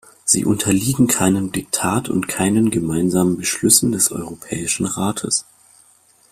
Sie unterliegen keinem Diktat und keinen gemeinsamen Beschlüssen des Europäischen Rates.